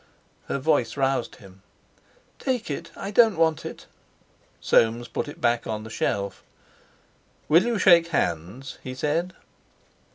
Her voice roused him. "Take it. I don't want it." Soames put it back on the shelf. "Will you shake hands?" he said.